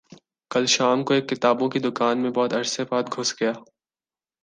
کل شام کو ایک کتابوں کی دکان میں بہت عرصے بعد گھس گیا